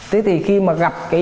thế thì khi mà gặp